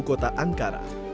ibu kota ankara